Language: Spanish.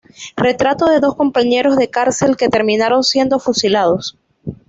Retrato de dos compañeros de cárcel que terminaron siendo fusilados.